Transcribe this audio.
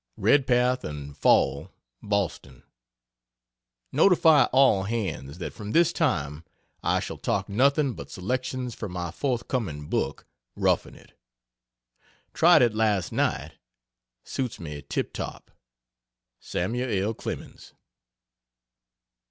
REDPATH & FALL, BOSTON, Notify all hands that from this time I shall talk nothing but selections from my forthcoming book "Roughing It." Tried it last night. Suits me tip top. SAM'L L. CLEMENS.